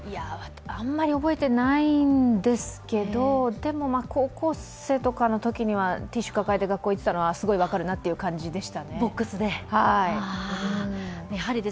あまり覚えてないんですけど、高校生のときにはティッシュ抱えて学校に行ったのは、すごい分かるなという感じです